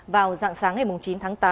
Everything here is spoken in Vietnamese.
vào dạng sáng ngày chín tháng tám